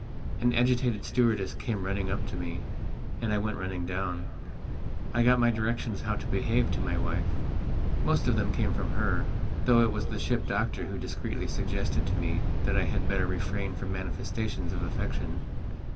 An agitated stewardess came running up to me, and I went running down. I got my directions how to behave to my wife. Most of them came from her, though it was the ship doctor who discreetly suggested to me that I had better refrain from manifestations of affection.